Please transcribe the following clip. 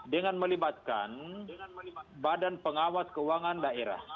dengan melibatkan badan pengawas keuangan daerah